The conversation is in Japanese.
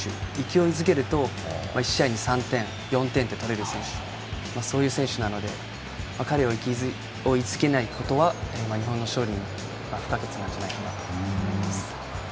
勢いづくと１試合に３点、４点と取れる選手そういう選手なので彼を勢いづけないことが日本の勝利に不可欠なんじゃないかと。